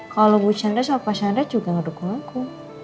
kalau bu chandra sama pak chandra juga ngedukung aku